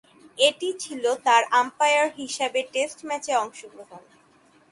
এটিই ছিল তার আম্পায়ার হিসেবে টেস্ট ম্যাচে অংশগ্রহণ।